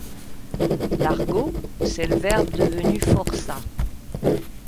L'argot, c'est le verbe devenu forçat.